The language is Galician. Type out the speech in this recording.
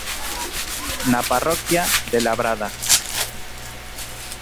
Na parroquia de Labrada.